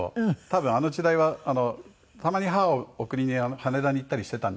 多分あの時代はたまに母を送りに羽田に行ったりしていたんですけど。